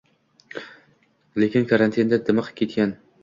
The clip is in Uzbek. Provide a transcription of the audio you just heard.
lekin karantinda dimiqib ketgan